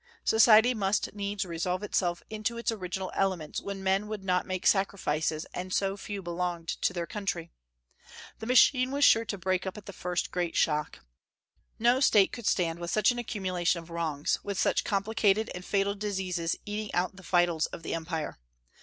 Society must needs resolve itself into its original elements when men would not make sacrifices, and so few belonged to their country. The machine was sure to break up at the first great shock. No State could stand with such an accumulation of wrongs, with such complicated and fatal diseases eating out the vitals of the empire.